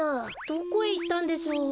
どこへいったんでしょう？